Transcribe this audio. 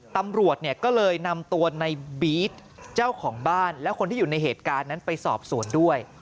ตำรวจเนี่ยก็เลยนำตัวในบี๊ดเจ้าของบ้านและคนที่อยู่ในเหตุการณ์นั้นไปสอบสวนด้วย